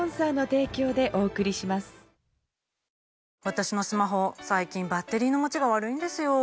私のスマホ最近バッテリーの持ちが悪いんですよ。